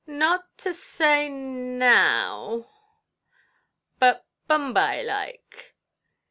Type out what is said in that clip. "Not to say 'now', but bumbai laike.